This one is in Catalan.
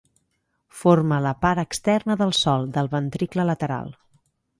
Forma la part externa del sòl del ventricle lateral.